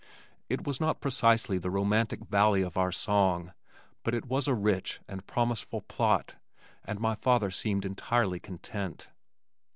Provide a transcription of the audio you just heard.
It was not precisely the romantic valley of our song, but it was a rich and promiseful plot and my father seemed entirely content.